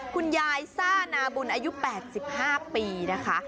คุณยายซ่านาบุญอายุ๘๕ปีนะคะ